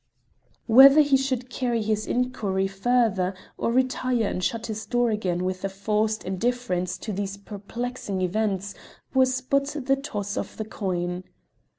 Whether he should carry his inquiry further or retire and shut his door again with a forced indifference to these perplexing events was but the toss of a coin.